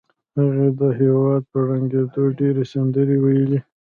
هغې د هېواد په ړنګېدو ډېرې سندرې وویلې